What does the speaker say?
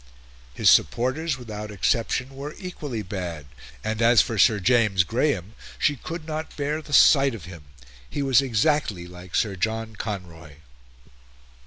His supporters, without exception, were equally bad; and as for Sir James Graham, she could not bear the sight of him; he was exactly like Sir John Conroy.